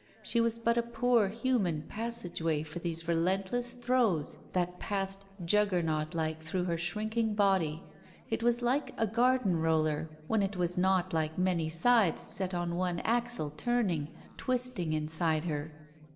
She was but a poor human passage way for these relentless throes that passed Juggernaut like through her shrink ing body. It was like a garden roller, when it was not like many scythes set on one axle turning, twisting inside her.